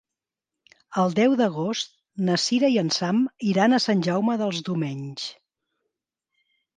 El deu d'agost na Cira i en Sam iran a Sant Jaume dels Domenys.